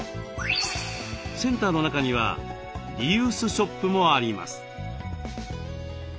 センターの中にはリユースショップもあります。